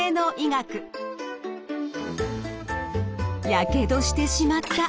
やけどしてしまった。